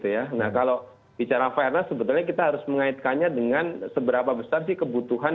nah kalau bicara fairness sebetulnya kita harus mengaitkannya dengan seberapa besar sih kebutuhan